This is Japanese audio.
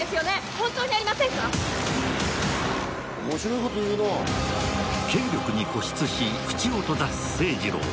本当にありませんか面白いこと言うな権力に固執し口を閉ざす清治郎